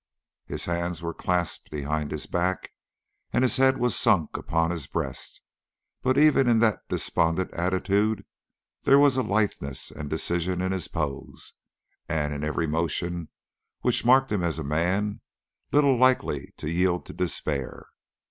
His hands were clasped behind his back and his head was sunk upon his breast, but even in that despondent attitude there was a litheness and decision in his pose and in every motion which marked him as a man little likely to yield to despair.